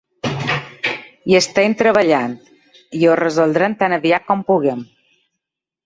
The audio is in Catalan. Hi estem treballant i ho resoldrem tan aviat com puguem.